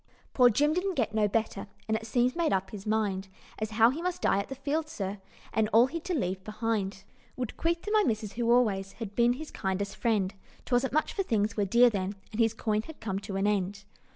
"Poor Jim didn't get no better, And it seems made up his mind, As how he must die at the Fields, sir, And all he'd to leave behind Would 'queath to my missus, who always Had been his kindest friend 'Twasn't much, for things were dear then, And his coin had come to an end.